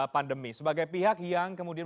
pandemi sebagai pihak yang kemudian